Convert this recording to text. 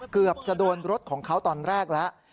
เกือบจะโดนรถของเขาตอนแรกแล้ว